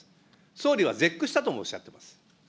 総理は絶句したともおっしゃっています。